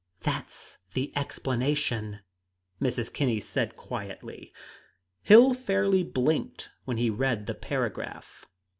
"That's the explanation," Mrs. Kinney said quietly. Hill fairly blinked when he read the paragraph.